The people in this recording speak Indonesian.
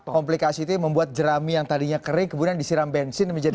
komplikasi itu yang membuat jerami yang tadinya kering kemudian disiram bensin menjadi